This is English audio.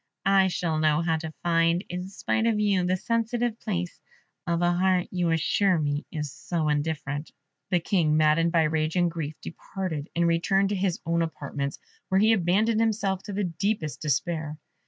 I shall know how to find, in spite of you, the sensitive place of a heart you assure me is so indifferent." The King, maddened by rage and grief, departed, and returned to his own apartments, where he abandoned himself to the deepest despair.